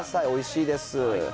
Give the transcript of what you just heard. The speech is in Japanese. おいしいです。